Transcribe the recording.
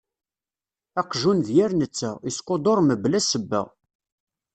Aqjun d yir netta, isquduṛ mebla ssebba.